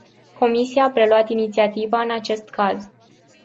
Comisia a preluat inițiativa în acest caz.